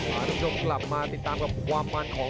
ทุกผู้ชมกลับมาติดตามกับความมันของ